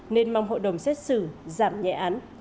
nên mong hội đồng xét xử giảm nhẹ án